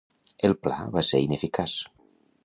El pla va ser ineficaç.